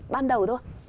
ban đầu thôi